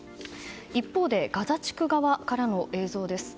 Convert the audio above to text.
一方、ガザ地区側からの映像です。